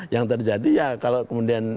yang terjadi ya kalau kemudian